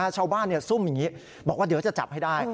ซุ่มอย่างนี้บอกว่าเดี๋ยวจะจับให้ได้